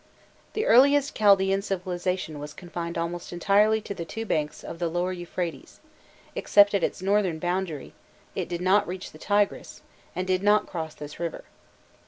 The earliest Chaldaean civilization was confined almost entirely to the two banks of the Lower Euphrates: except at its northern boundary, it did not reach the Tigris, and did not cross this river.